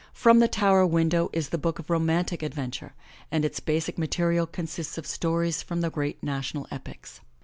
From The Tower Window, is the book of romantic adventure, and its basic material consists of stories from the great national epics.